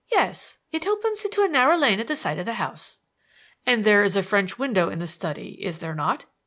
"Yes. It opens into a narrow lane at the side of the house." "And there is a French window in the study, is there not?"